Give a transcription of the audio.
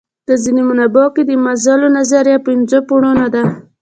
په ځینو منابعو کې د مازلو نظریه پنځو پوړونو ده.